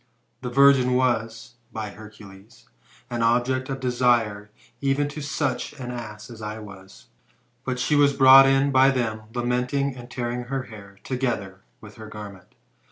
This virgin was, by Hercules, an object of desire even to such an ass as I was ; but she was brought in by them, lamenting and tearing her hair, together with her garment.